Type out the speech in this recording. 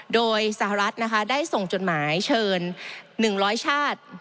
โดยสหรัฐนะคะได้ส่งจดหมายเชิญ๑๐๐ชาติ